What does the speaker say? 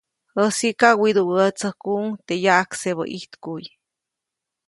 Jäsiʼka widuʼwätsäjkuʼuŋ teʼ yaʼaksebä ijtkuʼy.